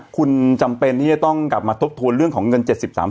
คุณจำเป็นที่จะต้องกลับมาทบทวนเรื่องของเงิน๗๓๐๐บาท